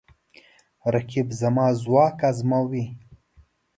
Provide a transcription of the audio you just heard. رقیب زما ځواک ازموي